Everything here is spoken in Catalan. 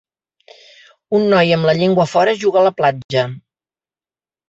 Un noi amb la llengua fora juga a la platja.